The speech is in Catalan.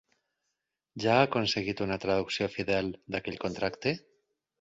Ja ha aconseguit una traducció fidel d'aquell contracte?